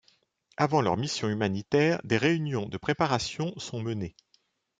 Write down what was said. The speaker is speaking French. Avant leur mission humanitaire, des réunions de préparation sont menées.